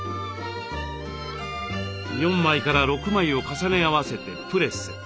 ４枚から６枚を重ね合わせてプレス。